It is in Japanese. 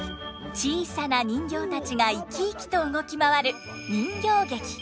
小さな人形たちが生き生きと動き回る人形劇。